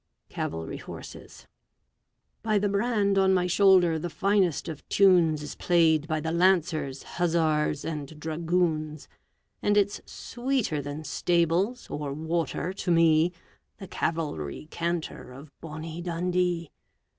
CAVALRY HORSES By the brand on my shoulder, the finest of tunes Is played by the Lancers, Hussars, and Dragoons, And it's sweeter than "Stables" or "Water" to me The Cavalry Canter of "Bonnie Dundee"!